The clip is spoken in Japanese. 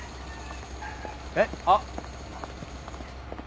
えっ？あっ。